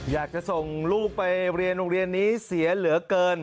อยากจะส่งลูกไปเรียนโรงเรียนนี้เสียเหลือเกิน